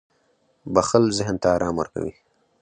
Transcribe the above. • بښل ذهن ته آرام ورکوي.